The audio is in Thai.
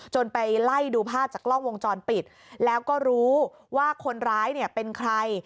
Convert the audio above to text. ไปไล่ดูภาพจากกล้องวงจรปิดแล้วก็รู้ว่าคนร้ายเนี่ยเป็นใคร